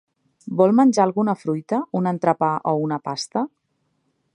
Vol menjar alguna fruita, un entrepà o una pasta?